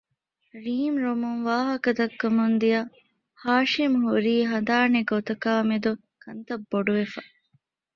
ރީމް ރޮމުން ވާހަކަ ދައްކަމުން ދިޔަ ހާޝިމް ހުރީ ހަދާނެ ގޮތަކާއި މެދު ކަންތައް ބޮޑުވެފަ